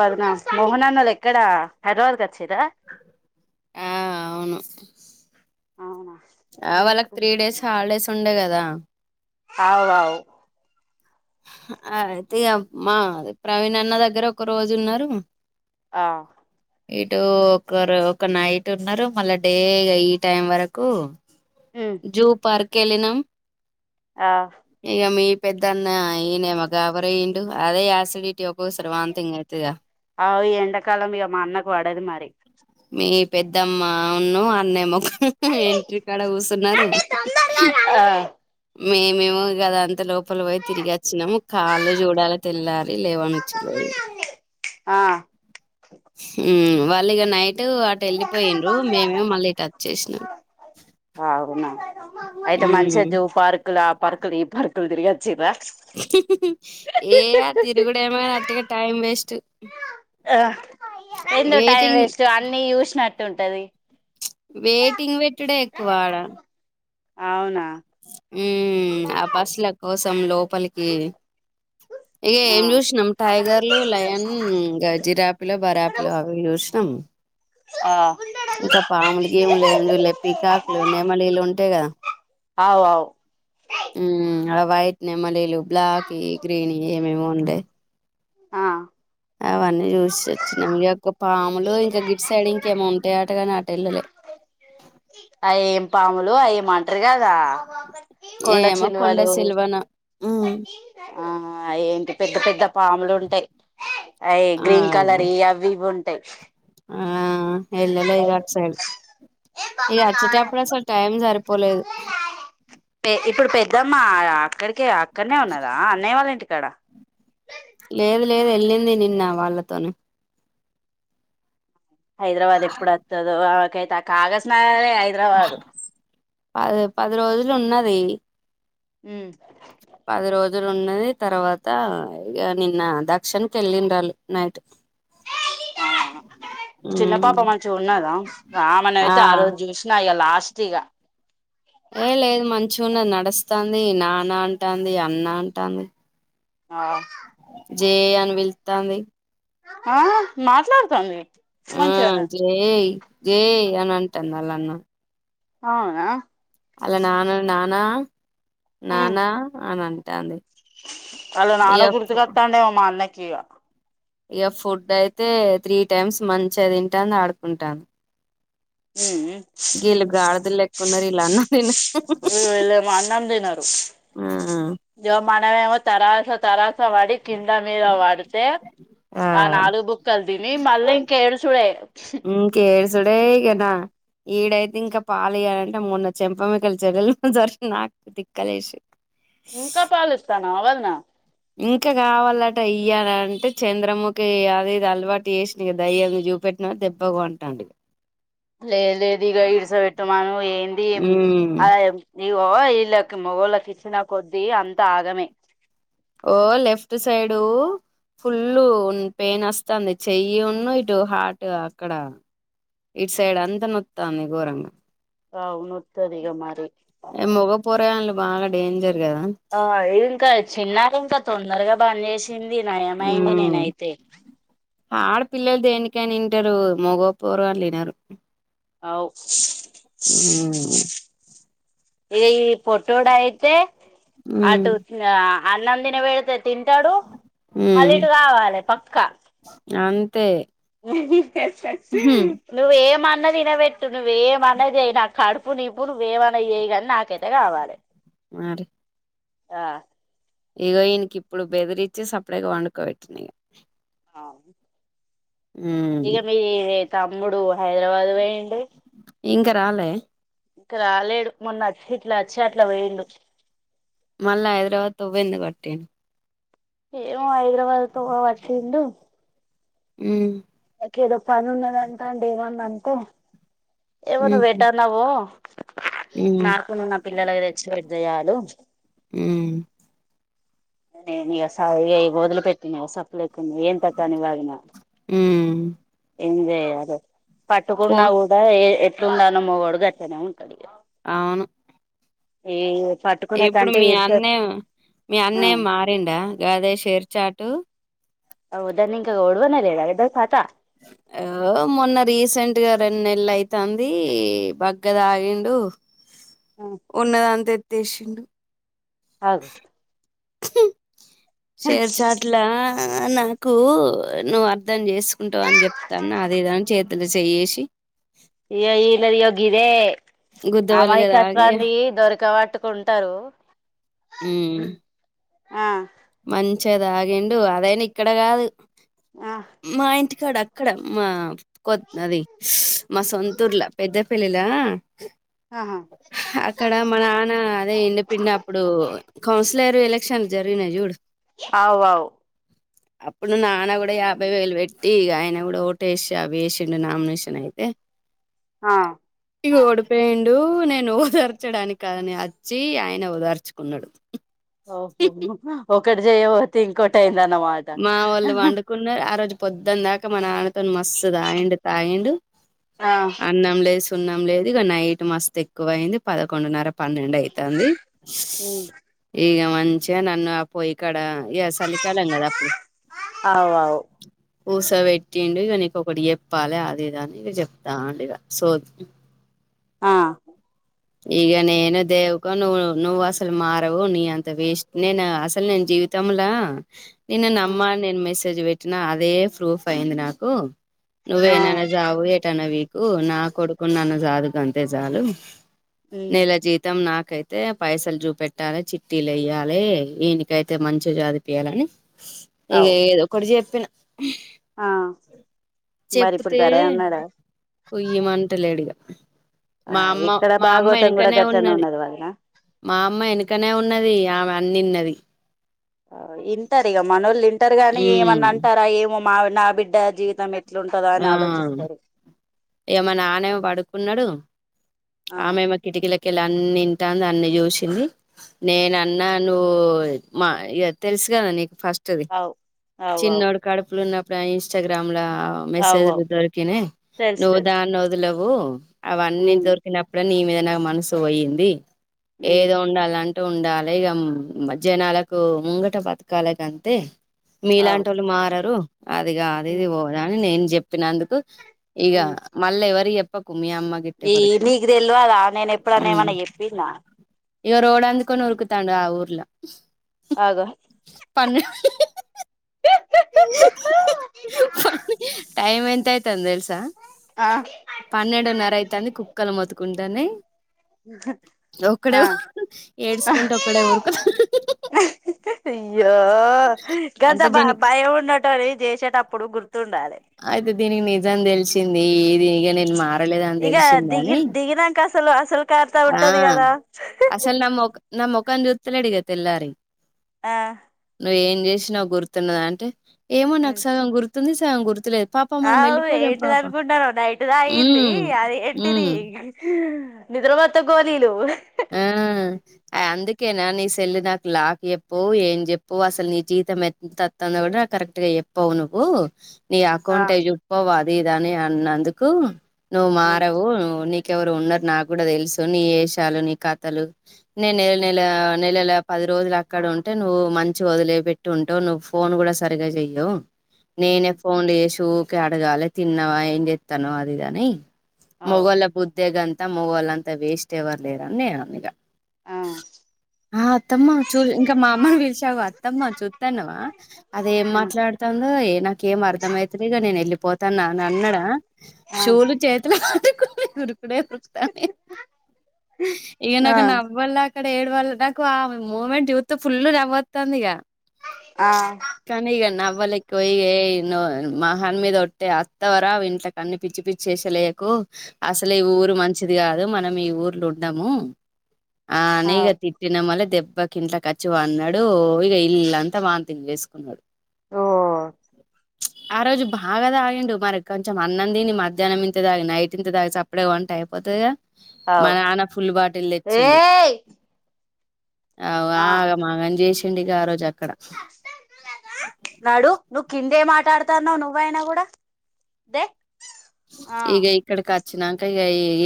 వర్గా మోహనాన్నలు ఎక్కడ హైదరాబాద్కి వచ్చారా ఆ అవును ఆ ఎందుకు వాళ్ళకి త్రీ డేస్ హాలిడేస్ ఉండే కదా అవు అవు అయితే మా ప్రవీణ్ అన్న దగ్గర ఒక రోజు ఉన్నారు ఆ ఇటు ఒకరు ఒక నైట్ ఉన్నారు మళ్ళా డే ఈ టైం వరకు ఉమ్ జూ పార్క్ వెళ్ళినాం ఆ ఇక మీ పెద్దన్న ఈయి న మగావరేడు అదే ఆసిడటీ ఒక అ ఈ ఎండాకాలం ఇక మా అన్నకు పడదు మరి మీ పెద్దమ్మ ఉన్న అన్నేము ఎంట్రీ కాడ కూచన్నారు ఆ మేమేమ గదా అంత లోపల పోయి తిరిగి వచ్చినాము కాళ్ళు చూడాల తెల్లాలి లేవనుచ్చలేదు ఆ వాళ్ళు ఇక నైట్ అటు వెళ్ళిపోయిండ్రు మేమేం మళ్ళీ టచ్ చేసినాం అవునా అయితే మనుషది పార్కులు ఆ పార్కులు ఈ పార్కులు తిరిగి వచ్చరా ఏ ఆ తిరుగుడమ అటిగా టైం వేస్ట్ ఆ ఎందుో టైం వెయిటింగ్ వేస్ట్ అన్ని చూసినట్టు ఉంటది వెయిటింగ్ పెట్టుడ ఎక్కువడా అవునా ఉ ఆ బస్సుల కోసం లోపలికి ఇక ఆ ఏం చూసినాం టైగర్లు లయన్ జిరాపిలో బరాపిలు అవి చూసినాం ఆ ఇంకా పాములు గీము లేంజులే పికాకులు నెమలి ఇళ్లు ఉంటాయి కదా అవు అవు ఉ అలా వైట్ ని మలేలు బ్లాక్ గ్రీన్ ఏమేమి ఉండే ఆ అవన్నీ చూసి వచ్చినాం ఈయొక్క పాములు ఇంకా గిట్ సైడ్ ఇంకేమ ఉంటాయ అటగాని ఆట ఇల్లలే అవిం పాములు అవిమ అంటారు కదా కొండ ఏమో కొండ చిలువలు సిల్వన హ్మ్. ఆ ఏంటి పెద్ద పెద్ద పాములు ఉంటాయి అవి ఆ గ్రీన్ కలర్ అవి ఉంటాయి ఆ ఇల్లా ఈ ఆట్సైడ్ ఈ అచ్చట అప్పుడసలు టైమ్ సరిపో ఇప్పుడు పెద్దమ్మ అక్కడికే అక్కడనే ఉన్నదా అన్నయ వాళ్ళ ఇంటికి క్కడ లేదు లేదు వెళ్ళింది నిన్న వాళ్ళతోన హైదరాబాద్ ఎప్పుడు వస్తుదుో ఆకైతే ఆ కాగజ్ నగరే హైదరాబాదు అదో పది రోజులు ఉన్నది ఊ పది రోజులు ఉన్నది తర్వాత ఇక నిన్న దక్షిణకి వెళ్ళిన్రాళ్ళు నైట్ చిన్న హ్మ్. పాప మంచిగా ఉన్నదా రామన అయితే ఆ రోజు చూసినా ఇగ లాస్ట్ టిగా ఏ లేదు మంచి ఉన్నది నడుస్తంది నాన్న అంటంది అన్న అంటంది ఆ జే అని పిలుతాంది ఆ మాట్లాడతాంది ఆ జాయ్ జాయ్ అని అంటంది ఆళ్ల అన్న అవునా అలా నాన్నను నానా నానా అని అంటాంది అళ నాన ఇగ గురుతు కతండేమో మా అన్నకిగా ఇక ఫుడ్ అయితే త్రీ టైమ్స్ మంచిగా తింటాంది ఆడుకుంటంది గిల్ గాడుదులెక్క ఉన్నళ్ళు ఈల్ అన్నం తినరు జ మనమెమో తరాస తర వడి కింద మీద వడితే ఆ నాలుగు బుక్కలు తిని మళ్ళీ ఇంకేడుస్ చుడే ఇంకెడుసుడే ఇగనా ఈడైతే ఇంకా పాలియ్యాలంటే మొన్న చెంపమిక్కల చెడులు జరిసిన నాకు దిక్కలేసి ఇంకా పాలిస్తనవా వదిన ఇంకా కావాలట ఇయ్యాలంటే చంద్రముకి అది ఇది అలవాటు చేసి నీకు దయ్యంగా చూపెట్ పెట్టిన దెబ్బకు వంటడిగ లేదు లేదు ఇగ ఇడస పెట్టుమను ఏంది ఏం ఉమ్ ఆ ఏం ఇగొ వీళ్ళకి మొగళ్ళకి ఇచ్చిన కొదీ అంత ఆగమే ఓ లెఫ్ట్ సైడు ఫుల్ పెయిన్ వస్తుంది చెయ్యి ఉన్ను ఇటు హార్ట్ ఊ అక్కడ ఇట్ సైడ్ అంతా నొత్తాంది ఘోరంగా ఆవు నొతది ఇక మరి ఏ మగ పోరగాన్లు బాగా డేంజర్ కదా ఆ ఇంకా చిన్నారు ఇంకా తొందరగా బన్ చేసి తింది నయమైంది నేనయితే ఆడ పిల్లలు దేనికయిన ఇంటరు మొగ పోరుగల్లు ఇనరు అవు ఉమ్ ఇగ ఈ పొటోడయితే ఉమ్ అటు ఆ అన్నం తినపెడితే తింటడు మళ్ళీ ఉమ్ ఇటు కావాలి పక్కా అంతే ఉహుం. నువ్ ఏమా ఉన్న తినబెట్టు నువ్ ఏమన్న జయ్ నా కడుపు నిప్పు నువ్ ఏమన్నా చేయి కాని నాకైతే కావాలి మరి ఆ ఇగో ఈన్ కి ఇప్పుడు బెదిరిచ్చి సప్డేగా వండుకోబెట్టిన ఇక ఆవు ఉమ్ ఇక మీ తమ్ముడు హైదరాబాద్ ఒయిండు ఇంక రాలే ఇంక రాలేడు మొన్న వచ్చి ఇట్ల వచ్చి అట్ల ఒయిండు మళ్ళా హైదరాబాద్ తొవ్వందుకు బట్టిండు ఏమో హైదరాబాద్ తోవ వట్టిండు ఊ గేదో పని ఉన్నదంటాండు, ఏమన్నా అనుకో. ఏమన్నా, ఉహు ఎటన్నా పో. ఉమ్ నాకు నా పిల్లలకు తెచ్చి పెట్టు. దయాలు మ్ నేను ఇగ సావ్ చేయబోదు సప్పిడిచేయక్ ఏం నియంత తని వారిన హ్మ్ ఏంచాయాలో? పట్టుకున్నా ఫోన్ కూడా, ఏ ఎట్లుందాన మగోడు గట్లనే ఉంటాడు. అవును ఏయో ఇప్పుడు మీ అన్నయ్య, మీ ఆ అన్నే మారిండ గదే షేర్ చాట్. అవుదాని ఇంకా ఓడ్వన లేదా కాతా. ఆ ఓ మొన్న రీసెంట్గా రెండు నెల అయితాంది బగ్గ దాగిండు. ఉందంతా ఎత్తేసిండు. ఆ షేర్ చాట్లో ఆ నాకు నువ్వు అర్ధం చేసుకుంటావు అని చెప్తాన్నా. అదేదని చేతులు చేయేసి ఇయో ఇలాది ఇగో గిదే. గుద్దవలుగా తాగి అమాయకత్వాన్ని దొరిక పట్టుకుంటారు. మ్ ఆ మంచిగా తాగిండు. అదైనా ఇక్కడ కాదు, ఆ మా ఇంటికాడ అక్కడ. మా కొత్ అది స్ మా సొంతూర్లో పెద్దపెళ్లిలా. ఆహా అక్కడ మా నాన్న అదే ఇండిపెండెంట్ అప్పుడు కౌన్సిల్. ఈసారి ఎలక్షన్లు జరిగినాయి చూడు. ఆవ్ ఆవ్ ఇప్పుడు నాన్న కూడా యాభై వేలు పెట్టి, ఆయన కూడా ఓటేసి అవి వేసిండు నామినేషన్ అయితే ఆ ఓడిపోయిండు. ఇపుడు నేను ఓదార్చడానికి అని వచ్చి, ఆయన ఓదార్చుకున్నాడు. ఓహో! ఒకటి చేయపోతే ఇంకోటి అయింది. మా వాళ్ళు వండుకున్నారు ఆ రోజు పొద్ పొద్దున దాకా మన నాన్నతో మస్తు తాగిండు తాగిండు ఆ అన్నం లేసు సున్నం లేదు. ఇక నైట్ మస్తు ఎక్కువ అయింది. పదకొండున్నర పన్నెడు అయితాంది. స్ ఇగ మంచిగా నన్ను పోయికాడ ఏ చలికాల అవ్ అవ్ ఊస పెట్టిండు. ఇక నీకు ఒకటి చెప్పాల అది, ఇద అని ఇవి చెప్తాండు. ఇగ సోది ఆ ఈగ నేను దేవకో నువు నువు అసలు మారవు. నీ అంత వేస్ట్ నే నా అసలు నేన్ జి జీవితములో నిన్న నమ్మని అని మెసేజ్ పెట్టినా అదే ప్రూఫ్ అయింది. నాకు ఆ నువ్యుయేడైన చావు. ఎటైనా పీకు నా కొడుకు నన్ను చాకుతుంటే చాలు. నెల జీతం నాకు. నాకైతే పైసలు చూపెట్టాలి, చిట్టీలు వే. ఈయనికైతే మంచిగా చదివిపోయాలని. ఇగ అవు ఏదో ఒకటి చెప్పిన. ఆ మరి ఇప్పుడు చెప్తే సరే అన్నాడా కుయ్ మంటలేడ్డిగ. ఆ మా అమ్మ ఇక్కడ మా అమ్మ భాగవతం కూడా వెనకనే గట్లనే ఉన్నది వదిన. మా అమ్మ వెనకనే ఉన్నది. ఆమె అన్నీ విన్నది. వింటారు. ఇక మనోళ్ళు వింటారు గానీ, ఉమ్ ఏమన్న అంటారా ఏమో, మా నా బిడ్డ జీవితం ఎట్లో ఆమ్, మానాన్న ఏమో పడుకున్నాడు. ఆ ఆమె ఏమో కిటికీలో కెళ్లి, అన్నీ వింటాంది, అన్నీ చూసింది. నేను అన్నా నువ్వు మా ఇగ తెలుసు కదా నీకు ఫస్ట్ [unintelligible] అవు అవు అవు చిన్నోడు కడుపుల ఉన్నప్పుడు ఆ ఇన్స్టాగ్రామ్ లా ఆ అవు మెసేజ్ లు అవు దొరికినై తెలుసు నువ్వు తెలుసు దాన్ని వదలవు అవన్నీ ఉమ్ దొరికి అప్పుడ నీ మీద నా మనసు పోయింది ఉమ్ ఏదో ఉండాలం ట్ట ఉండాలి ఇగ జనాలకు ముంగట బతకాలే గంతే అవు నిలాంటి ఓళ్ళు మారరు అది కాదు ఇది ఉమ్ పోదు అని నేను చెప్పినందుకు ఈగ ఉమ్ మల్ల ఎవరికి చెప్పకు మీ అమ్మ గిట్ట ఈ ఎవరికి నీకు తెలవదా నేను ఎప్పుడు అన్న మ్ ఏమన్నా చెప్పిన ఇగ రోడ్ అందుకొని ఉరుకుతాడు ఆ ఊర్లో ఆగు [unintelligible] టైమ్ ఎంత అయితాంది తెలుసా ఆ పన్నెడు నరా అయితుంది కుక్కలు మొత్తుకుంటానై ఆ ఏడ్చకుంట ఒక్కడే ఊరుకు అయ్యో గంత అంటే బా దీనికి భయం ఉన్నోడు అది చేసేటప్పుడు గుర్తుండాలి అయితే దీనికి నిజాం తెలిసింది ఇది ఇగ నేను మా మారలేదని ఇక దిగి తెలిసిందని దిగినాక అసలు అసలు కారుతా ఆ ఉంటది కదా అసలు నా మొఖం నా మొఖం సూతలేడు ఇగ తెల్లారి ఆ నువ్వు ఏం చేసినావు గుర్తున్నదా అంటే ఏమో నాకు సగం గుర్తుంది సగం గుర్తులేదు పాప మనం అవు వెళ్ళిపోదాం ఏంటిది పాప అనుకుంటానావు నైట్ తాగింది హ్మ్ అదేంటిది హ్మ్ నిద్ర మత్తు గోలీలు ఆ హు అందుకేనా నీ సెల్లు నాకు లాక్ చెప్పు ఏం చెప్పు అసలు నీ జీతం ఎంత తనా కూడా కరెక్ట్ గా చెప్పవు నువ్వు నీ ఆ అకౌంట్ ఏ చెప్పవు అది ఇది అన్నందుకు నువ్వు ఉమ్ మారవు నీ నీకు ఎవరో ఉన్నారు నాకు కూడా తెలుసు నీ వేషాలు నీ కథలు నేను నెల నెల నెలల పది రోజులు అక్కడ ఉంటే నువ్వు మంచి వదిలే పెట్టి ఉ అంటావ్ నువ్వు ఫోన్ కూడా సరిగగా చెయ్యవు నేనే ఉమ్ ఫోన్ లు చేసి ఊకె అడగాలి తిన్నావా ఏం చేతనవ్ అది ఇది అని అవు మొగల బుద్దే గంత మొగోళ్ళు అంత వేస్ట్ ఎవరు లేరని నేను అన్న ఇగ ఆ ఆ అత్తమ్మ చూ ఇంకా మా అమ్మని పిలిచి అగో అత్తమ్మ చూస్తాన్నావా అది ఏం మాట్లాడుతాందో ఏ నాకేం అర్థమైతే లే ఇగ నేను వెళ్ళిపోతానా అని అన్నాడా ఆ షూలు చేతులా ఊరుకుడే ఉరుకుతాండు ఈగ ఆ నాకు నవ్వాలా అక్కడ ఏడు వాళ్ళ నాకు ఆ మూమెంట్ చూతే ఫుల్ నవ్వొత్తాంది ఇగ ఆ కాని ఇగ నావు అవలకి పోయ ఐ ను మహాన్ మీద ఒట్టే వస్తావా రావా ఇంట్లోకి అన్ని పిచ్చి పిచ్చి వేషాలయ్యకు అసలే ఈ ఊరు మంచిది కాదు మనం ఈ ఊర్లో ఉండము ఆ అని ఇగ తిట్టిన మల్ల దె దెబ్బకు ఇంట్లోకొచ్చి పన్నడు అన్నాడు ఇగ ఇల్లు అంతా వాంతింగ్ చేసుకున్నాడు ఓ ఆ రోజు బాగా తాగిండు మరి కొంచెం అన్నం తిని మధ్యాహ్నం ఇంత తాగి నైట్ ఇంత తాగి సప్పుడే కా పంటే అయిపోతదిగా అవు మా నాన్న ఫుల్ బాటిల్ తెచ్చిండు ఏయ్ అవ్వా ఆగామాగం చేసిండి ఇగ ఆ రోజు అ రాడు నువ్వు కింద వేయమా ఆటాడుతాను నువ్వైనా కూడా ఇదే ఈగ ఇక్కడకిచ్చినంక ఇగ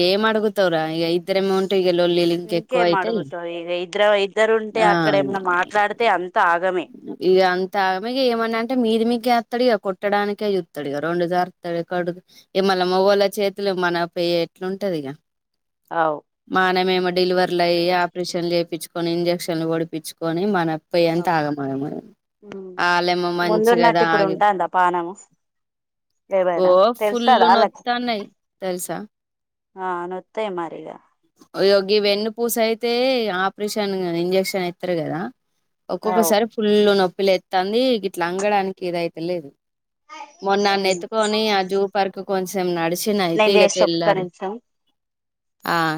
ఏమో అడుగుతారా ఇగ ఇద్దరమే ఉ లొల్లిలు ఇంకా ఇంకేం ఎక్కువైతాయి అడుగుతావు ఇక ఇద్దరు ఇద్దరు ఉంటే అక్కడ ఏమన్నా మాట్లాడితే అంత ఆగమే ఇగాఅంత ఆగమే ఇగ ఏమన్నా అంటే మీది మీదికే ఇగ కొట్టడానినికియుత్తడిగా రెండు జార్తడు కడు ఈ మళ్ళ మొగోల్ల చేతులు మన పే అట్లాంటది ఇగ అవు మనమేమో డెలివర్లు అయ్యి ఆపరేషన్ చేపించుకొని ఇంన్ ఇంజక్షన్లు పొడిపించుకుని మనకు పోయి అంత ఆగమాగం అయే ఆళ్లేమో మంచిగా ముందున్నట్టు ఇప్పుడు తాగి ఉంటాందా పానము ఓ ఏమైనా ఫుల్ల తెలుస్తదా వాళ్ళకి నొత్తానై తెలుసా ఆ నొత్తాయి మరిగా ఇగోగి వెన్ను పూస అయితే ఆపరేషన్ ఇంజక్షన్ వేస్తారు కదా అవు ఒక్కొక్కసారి ఫుల్లు నొప్పి లేత్తంది ఇట్లా అంగడానికి ఇదైత లేదు మొన్నన్నెత్తుకొని ఆ జూ పర్కు కొంచెం నడి చిన అయితే నేను ఇగా చేస్తా ఒక్క తెల్లారి నిమిషం ఆ